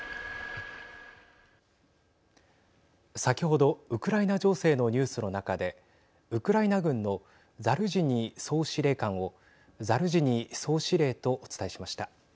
先ほどウクライナ情勢のニュースの中でウクライナ軍のザルジニー総司令官をザルジニー総司令とお伝えしました。